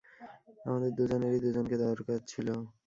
আমাদের দুজনেরই দুজনকে দরকার ছিল।